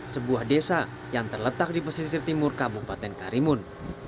sebuah desa yang terletak di pesisir timur kabupaten karimun